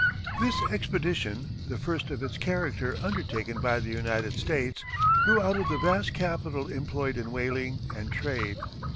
This expedition, the first of its character undertaken by the United States, grew out of the vast capital employed in whaling and trade.